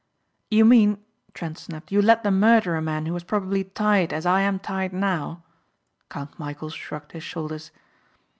"You mean," Trent snapped, "you let them murder a man who was probably tied as I am tied now?" Count Michæl shrugged his shoulders.